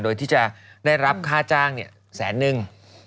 โดยที่จะได้รับค่าจ้าง๑๐๐๐๐๐นิง